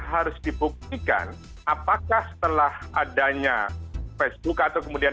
harus dibuktikan apakah setelah adanya facebook atau kemudian